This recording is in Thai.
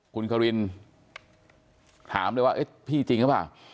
คุณครินถามเลยว่าเอ๊ะพี่จริงหรือเปล่า